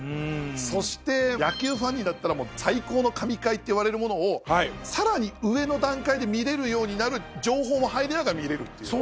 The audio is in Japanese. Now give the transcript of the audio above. そして野球ファンにだったらもう最高の神回っていわれるものをさらに上の段階で見れるようになる情報も入りながら見れるっていう。